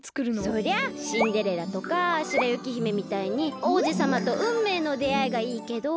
そりゃシンデレラとか白雪姫みたいにおうじさまとうんめいのであいがいいけど。